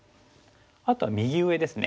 あとは右上ですね。